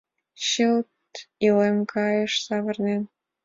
Чылт илем гайыш савырнен.